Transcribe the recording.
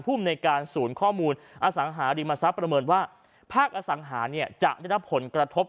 ภูมิในการศูนย์ข้อมูลอสังหาริมทรัพย์ประเมินว่าภาคอสังหาเนี่ยจะได้รับผลกระทบ